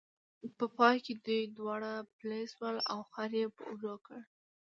په پای کې دوی دواړه پلي شول او خر یې په اوږو کړ.